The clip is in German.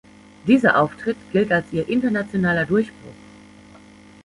Dieser Auftritt gilt als ihr Internationaler Durchbruch.